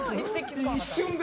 一瞬で？